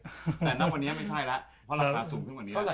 แต่ณวันนี้ไม่ใช่แล้วเพราะราคาสูงขึ้นกว่านี้